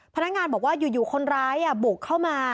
พนักงานบอกว่าอยู่คนร้ายบุกเข้ามา